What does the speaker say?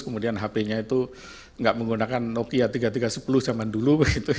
kemudian hp nya itu enggak menggunakan nokia tiga ribu tiga ratus sepuluh zaman dulu